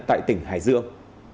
tại tỉnh hải dương